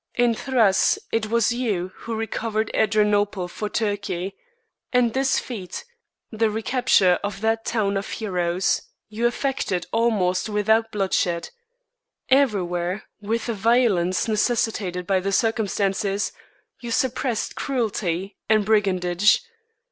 In Thrace it was you who recovered Adrianople for Turkey, and this feat, the recapture of that town of heroes, you effected almost without bloodshed. Everywhere, with the violence necessitated by the circumstances, you suppressed cruelty and brigandage.